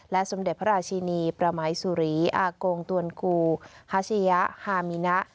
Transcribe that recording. สมเด็จพระราชินีประมัยสุรีอากงตวนกูฮาชิยะฮามินะ